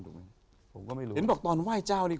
เห็นบอกว่าตอนไว้เจ้านี่